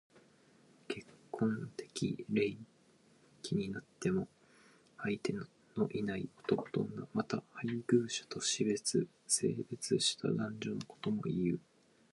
何度も繰り返して本を読むこと。また熱心に学問することのたとえ。